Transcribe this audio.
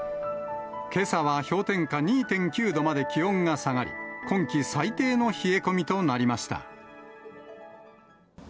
けさは氷点下２．９度まで気温が下がり、今季最低の冷え込みとなりました。